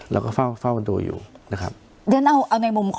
แล้วก็เฝ้าตัวอยู่